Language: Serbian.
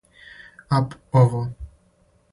аб ово